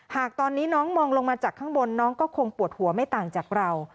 หากตอนนี้น้องมองลงมาจากข้างบนน้องก็คงปวดหัวไม่ต่างจากเรา